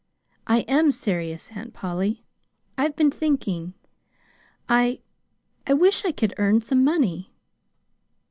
"I am serious, Aunt Polly. I've been thinking. I I wish I could earn some money."